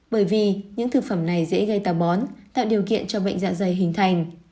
bởi vì những thực phẩm này dễ gây tàu bón tạo điều kiện cho bệnh dạ dày hình thành